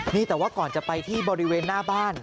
นี่แต่ว่าก่อนจะไปที่บริเวณหน้าบ้าน